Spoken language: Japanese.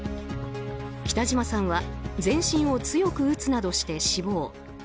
北島さんは全身を強く打つなどして死亡。